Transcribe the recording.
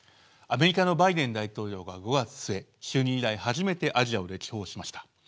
アメリカのバイデン大統領が５月末就任以来初めてアジアを歴訪しました。